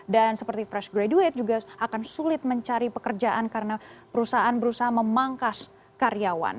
dan seperti fresh graduate juga akan sulit mencari pekerjaan karena perusahaan perusahaan memangkas karyawan